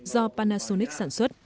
do panasonic sản xuất